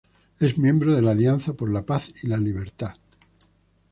Es miembro de la Alianza por la Paz y la Libertad.